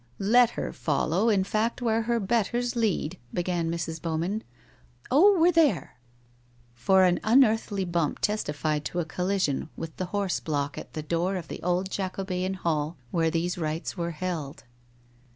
' Let her follow, in fact, where her betters lead,' began Mrs. Bowman. * Oh, we're there !' For an unearthly bump testified to a collision with the horse block at the door of the old Jacobean Hall where these rites were held.